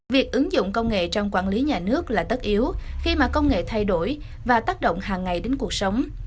việc ứng dụng công nghệ trong quản lý nhà nước là tất yếu khi mà công nghệ thay đổi và tác động hàng ngày đến cuộc sống